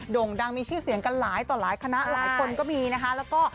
่งดังมีชื่อเสียงกันหลายต่อหลายคณะหลายคนก็มีนะคะแล้วก็